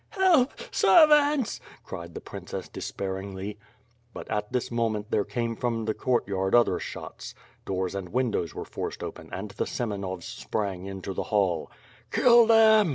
"Help, servants!" cried the princess despairingly. But, at this moment, there came from the courtyard other shots. Doors and windows were forced open and the Scm enovs sprang into the hall. "Kill them!"